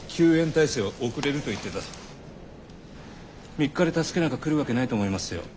３日で助けなんか来るわけないと思いますよ。